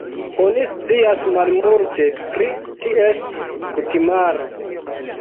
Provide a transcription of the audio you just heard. Oni scias malmulte pri ties kutimaro.